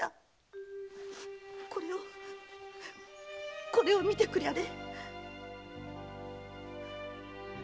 これをこれを見てくりゃれ。